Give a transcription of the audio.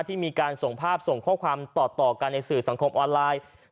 ที่มีการส่งภาพส่งข้อความต่อกันในสื่อสังคมออนไลน์